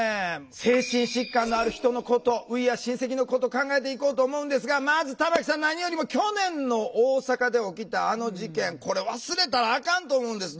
精神疾患のある人のことＷｅａｒｅシンセキ！のこと考えていこうと思うんですがまず玉木さん何よりも去年の大阪で起きたあの事件これ忘れたらあかんと思うんです。